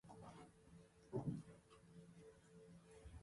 タンザニアの首都はドドマである